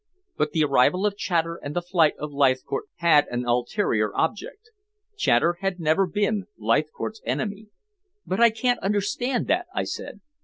But the arrival of Chater and the flight of Leithcourt had an ulterior object. Chater had never been Leithcourt's enemy." "But I can't understand that," I said.